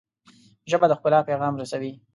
ژبه د ښکلا پیغام رسوي